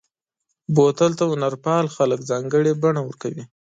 بوتل ته هنرپال خلک ځانګړې بڼه ورکوي.